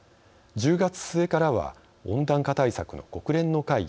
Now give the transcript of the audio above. １０月末からは温暖化対策の国連の会議